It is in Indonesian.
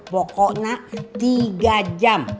pokoknya tiga jam